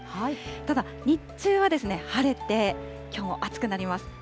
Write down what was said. ただ、日中は晴れて、きょうも暑くなります。